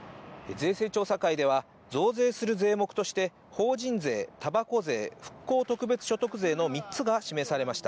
税制調査会では、増税する税目として、法人税、たばこ税、復興特別所得税の３つが示されました。